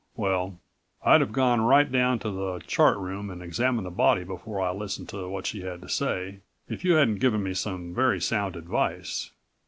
Well, I'd have gone right down to the Chart Room and examined the body before I listened to what she had to say ... if you hadn't given me some very sound advice.